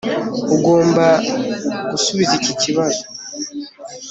ugomba gusubiza ikibazo